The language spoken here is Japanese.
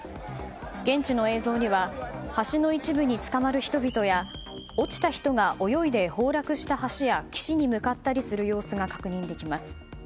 現地の映像には橋の一部につかまる人々や落ちた人が泳いで崩落した橋や岸に向かったりする様子が確認できます。